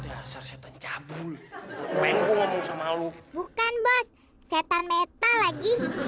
asal setan cabul penggul ngomong sama lu bukan bos setan metal lagi